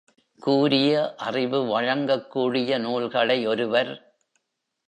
கூரிய அறிவு வழங்கக் கூடிய நூல்களை ஒருவர்